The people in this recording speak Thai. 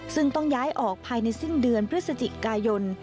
ซึ่งต้องย้ายออกภายในสิ้นเดือนพฤศจิกายน